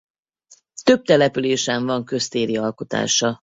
Több településen van köztéri alkotása.